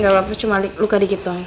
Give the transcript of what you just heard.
gapapa cuma liat luka dikit doang